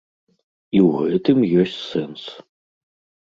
І ў гэтым ёсць сэнс.